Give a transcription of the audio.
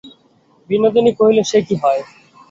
বিনোদিনী কহিল, সে কি হয়।